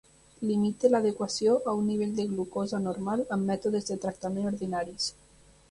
Limita l'adequació a un nivell de glucosa normal amb mètodes de tractament ordinaris.